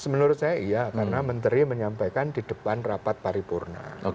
menurut saya iya karena menteri menyampaikan di depan rapat paripurna